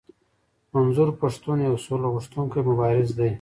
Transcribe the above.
منظور پښتون يو سوله غوښتونکی مبارز دی.